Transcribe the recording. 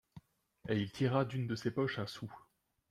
Et il tira d’une de ses poches un sou.